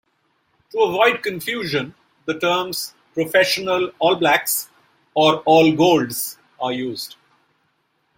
To avoid confusion, the terms professional All Blacks or All Golds are used.